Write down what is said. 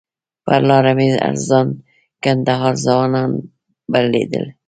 پر لاره مې هر ځای کندهاري ځوانان لیدل.